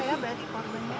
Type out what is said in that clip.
iya berarti korbannya